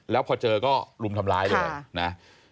แล้วพอเจอก็รุมทำร้ายเลยนะ